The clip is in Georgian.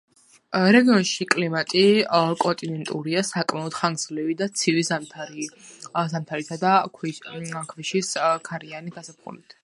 რეგიონში კლიმატი კონტინენტურია, საკმაოდ ხანგრძლივი და ცივი ზამთრითა და ქვიშის ქარიანი გაზაფხულით.